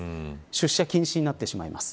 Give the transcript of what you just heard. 出社禁止になってしまいます。